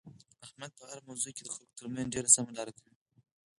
احمد په هره موضوع کې د خلکو ترمنځ ډېره سمه لاره کوي.